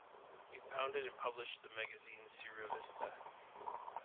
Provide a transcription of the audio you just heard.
He founded and published the magazine "Sua Revista".